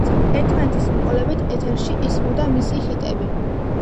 ერთმანეთის მიყოლებით ეთერში ისმოდა მისი ჰიტები.